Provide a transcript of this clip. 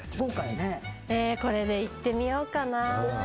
これでいってみようかな。